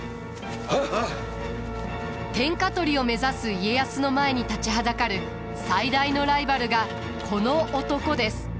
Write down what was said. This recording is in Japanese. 天下取りを目指す家康の前に立ちはだかる最大のライバルがこの男です。